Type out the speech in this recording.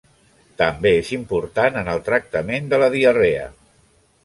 També és important en el tractament de la diarrea.